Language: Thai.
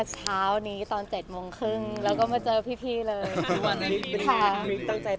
เช้านี้ตอน๗โมงครึ่งแล้วก็มาเจอพี่เลย